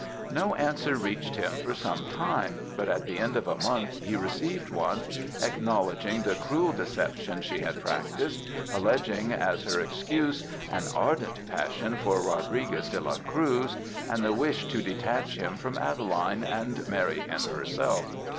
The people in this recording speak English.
"No answer reached him for some time, but at the end of a month, he received one, acknowledging the cruel deception she had practiced, alleging as her excuse, an ardent passion for Rodriguez de la Cruz; and the wish to detach him from Adeline, and marry him herself.